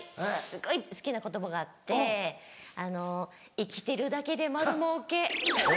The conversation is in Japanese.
すごい好きな言葉があって「生きてるだけで丸儲け」。